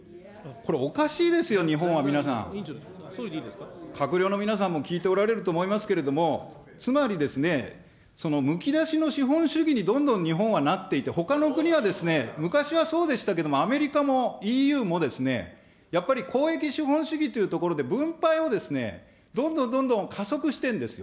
これ、おかしいですよ、日本は、皆さん。閣僚の皆さんも聞いておられると思いますけれども、つまり、むき出しの資本主義にどんどん日本はなっていって、ほかの国は昔はそうでしたけども、アメリカもＥＵもですね、やっぱり公益資本主義というところで分配をどんどんどんどん加速してるんですよ。